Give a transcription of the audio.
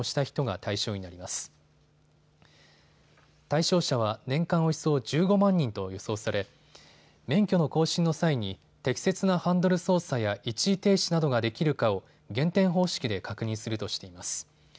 対象者は年間およそ１５万人と予想され免許の更新の際に適切なハンドル操作や一時停止などができるかを減点方式で確認するとしています。